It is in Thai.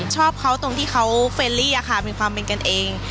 ชอบเขาตรงที่เขาเฟรลี่มีความเป็นกันเอง